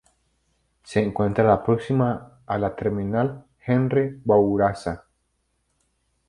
Se encuentra próximo a la terminal Henri-Bourassa.